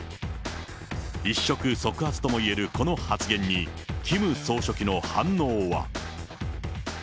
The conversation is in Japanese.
一触即発ともいえるこの発言に、キム総書記の反応は。